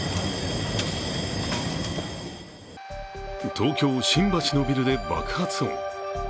東京・新橋のビルで爆発音。